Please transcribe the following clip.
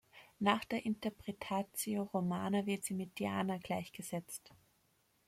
Nach der Interpretatio Romana wird sie mit Diana gleichgesetzt.